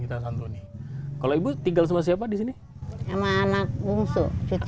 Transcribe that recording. kita santuni kalau ibu tinggal sama siapa di sini sama anak bungsu